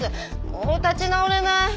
もう立ち直れない。